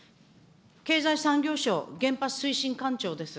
経済産業省、原発推進官庁です。